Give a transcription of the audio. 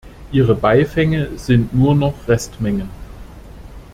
Ihre Beifänge sind nur noch Restmengen.